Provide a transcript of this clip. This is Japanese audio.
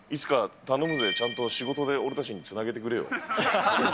頼むぜ、仕事で俺たちにつなげてくれよ。